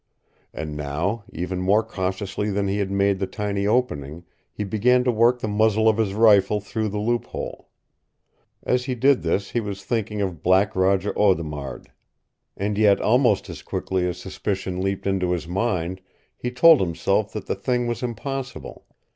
And now, even more cautiously than he had made the tiny opening, he began to work the muzzle of his rifle through the loophole. As he did this he was thinking of Black Roger Audemard. And yet, almost as quickly as suspicion leaped into his mind, he told himself that the thing was impossible.